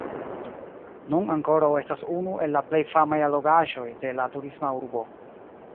Nun ankoraŭ estas unu el la plej famaj allogaĵoj de la turisma urbo.